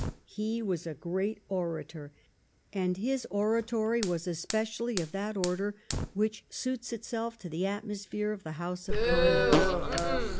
He was a great orator, and his oratory was especially of that order which suits itself to the atmosphere of the House of Commons.